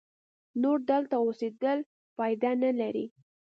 نور دلته اوسېدل پایده نه لري.